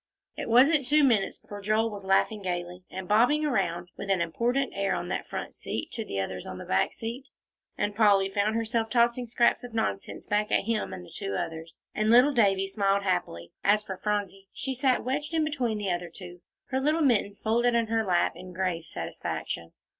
It wasn't two minutes before Joel was laughing gayly, and bobbing around with an important air on that front seat to the others on the back seat, and Polly found herself tossing scraps of nonsense back at him and the two others, and little Davie smiled happily. As for Phronsie, she sat wedged in between the other two, her little mittens folded in her lap, in grave satisfaction.